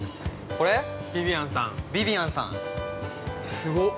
◆すごっ。